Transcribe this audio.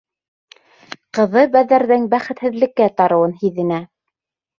Ҡыҙы Бәҙәрҙең бәхетһеҙлеккә тарыуын һиҙенә.